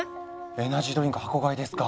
エナジードリンク箱買いですか？